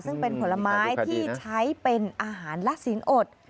ซึ่งเป็นผลไม้ที่ใช้เป็นอาหารและสินอด